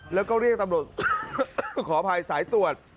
แล้วก็เรียกตำรวจขออภัยสายตรวจ